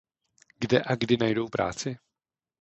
Kde a kdy najdou práci?